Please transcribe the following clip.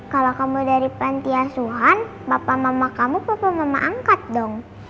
kalau kamu dari pantiasuhan bapak mama kamu papa mama angkat dong